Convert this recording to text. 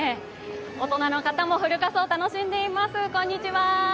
大人の方もフル仮装、楽しんでいます。